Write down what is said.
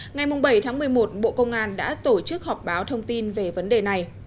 ngày bảy tháng một mươi một bộ công an đã tổ chức họp báo thông tin về vấn đề này